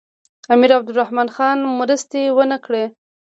امیر عبدالرحمن خان مرستې ونه کړې.